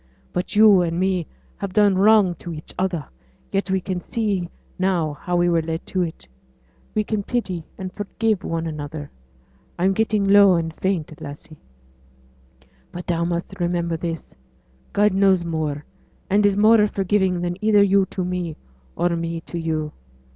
But you and me have done wrong to each other; yet we can see now how we were led to it; we can pity and forgive one another. I'm getting low and faint, lassie; but thou must remember this: God knows more, and is more forgiving than either you to me, or me to you.